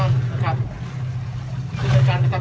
ในเกี่ยวกับใช้ปกติควณชัดเจนครับ